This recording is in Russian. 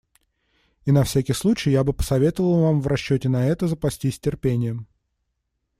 И на всякий случай я бы посоветовал вам в расчете на это запастись терпением.